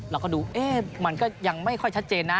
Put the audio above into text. เราก็ดูมันก็ยังไม่ค่อยชัดเจนนะ